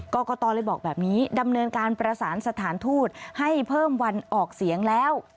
กรกตเลยบอกแบบนี้ดำเนินการประสานสถานทูตให้เพิ่มวันออกเสียงแล้ว